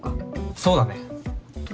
そうだね。